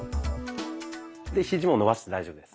でヒジも伸ばして大丈夫です。